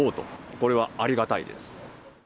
これはありがたいです。